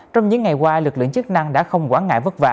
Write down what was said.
trong những ngày qua lực lượng chức năng đã không quản ngại vất vả